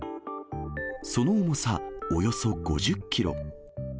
その重さおよそ５０キロ。